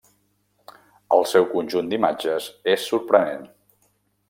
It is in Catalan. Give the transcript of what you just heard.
El seu conjunt d'imatges és sorprenent.